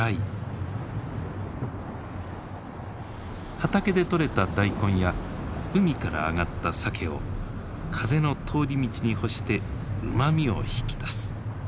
畑で取れたダイコンや海から揚がったサケを風の通り道に干してうまみを引き出す。